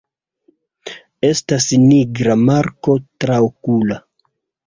Estas nigra marko traokula.